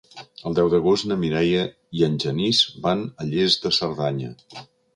El deu d'agost na Mireia i en Genís van a Lles de Cerdanya.